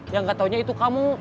yang gak taunya itu kamu